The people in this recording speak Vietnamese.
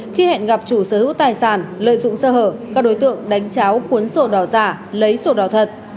khi hẹn gặp chủ sở hữu tài sản lợi dụng sơ hở các đối tượng đánh cháo cuốn sổ đỏ giả lấy sổ đỏ thật